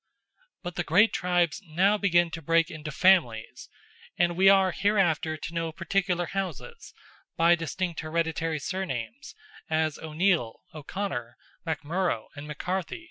But the great tribes now begin to break into families, and we are hereafter to know particular houses, by distinct hereditary surnames, as O'Neill, O'Conor, MacMurrough, and McCarthy.